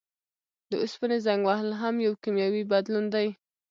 د اوسپنې زنګ وهل هم یو کیمیاوي بدلون دی.